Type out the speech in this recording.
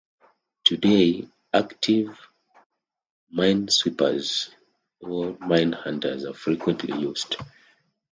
Today, active minesweepers or minehunters are frequently used.